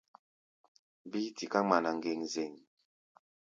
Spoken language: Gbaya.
Bíí tiká ŋmana ŋgeŋzeŋ.